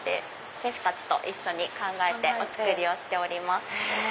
シェフたちと一緒に考えてお作りをしております。